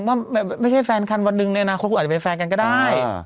ว่าไม่ใช่แฟนกันวันหนึ่งในอนาคตคุณอาจจะเป็นแฟนกันก็ได้